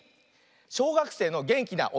しょうがくせいのげんきなおにいちゃん。